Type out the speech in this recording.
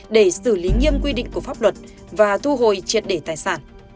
để xử lý nghiêm quy định của pháp luật và thu hồi triệt để tài sản